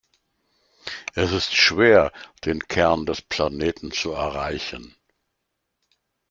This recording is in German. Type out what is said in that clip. Es ist schwer, den Kern des Planeten zu erreichen.